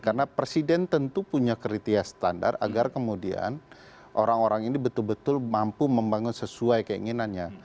karena presiden tentu punya kriteria standar agar kemudian orang orang ini betul betul mampu membangun sesuai keinginannya